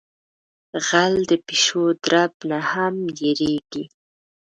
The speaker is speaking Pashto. غل د پیشو درب نہ ھم یریگی.